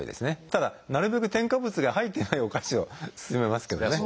ただなるべく添加物が入ってないお菓子を勧めますけどね。